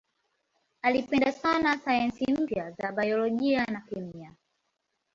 Alipenda sana sayansi mpya za biolojia na kemia.